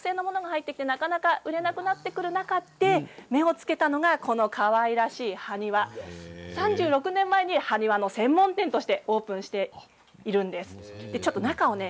しかしプラスチック製のものが入ってきてなかなか売れなくなってくる中で目をつけたのがこの課題かわいらしい埴輪３６年前に埴輪の専門店としてオープンしているんです。